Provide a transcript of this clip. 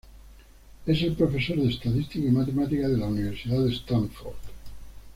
Es el profesor de estadística y matemáticas de la universidad de Stanford.